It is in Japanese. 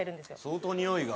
相当においが。